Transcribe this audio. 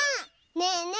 ねえねえ